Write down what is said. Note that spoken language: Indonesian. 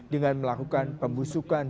dengan melakukan pembusukan